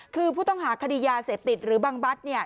คือผู้ต้องหาคดียาเสพติดหรือบังบัตร